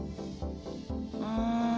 うん。